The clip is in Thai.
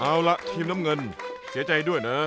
เอาละทีมน้ำเงินเสียใจด้วยนะ